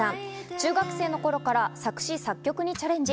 中学生の頃から作詞作曲にチャレンジ。